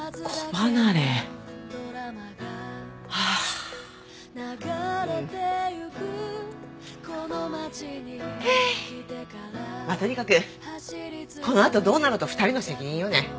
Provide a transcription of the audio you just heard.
まあとにかくこのあとどうなろうと２人の責任よね。